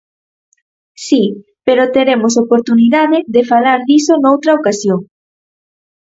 Si, pero teremos oportunidade de falar diso noutra ocasión.